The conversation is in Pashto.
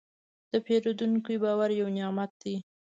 د پیرودونکي باور یو نعمت دی.